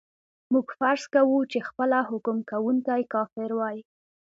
موږ فرض کوو چې خپله حکم کوونکی کافر وای.